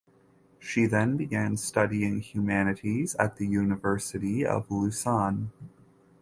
She then began studying humanities at the University of Lausanne.